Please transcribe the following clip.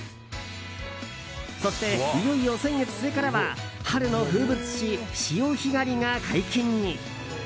そして、いよいよ先月末からは春の風物詩、潮干狩りが解禁に。